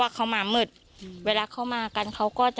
เขามามืดเวลาเขามากันเขาก็จะ